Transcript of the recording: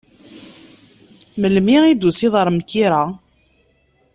Melmi i d-tusiḍ ar Mkira?